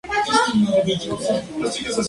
Asistió al Instituto de Artes de California.